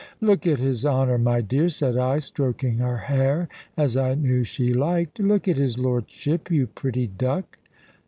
"Look at his Honour, my dear," said I, stroking her hair as I knew she liked; "look at his lordship, you pretty duck."